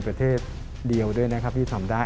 ประเทศเดียวด้วยนะครับที่ทำได้